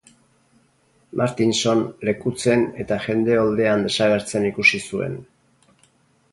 Martinson lekutzen eta jende oldean desagertzen ikusi zuen.